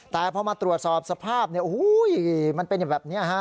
แต่พอมาตรวจสอบสภาพเนี่ยโอ้โหมันเป็นแบบนี้ฮะ